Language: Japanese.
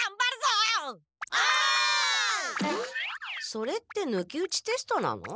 それって抜き打ちテストなの？